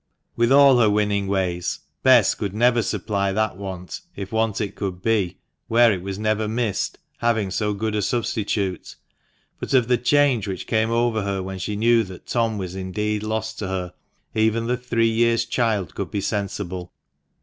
With all her winning ways, Bess could never supply that want, if want it could be, where it was never missed, having so good a substitute. But of the change which came over her when she knew that Tom was indeed lost to her, even the three years' child could be sensible.